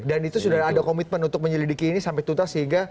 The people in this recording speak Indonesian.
dan itu sudah ada komitmen untuk menyelidiki ini sampai tutas sehingga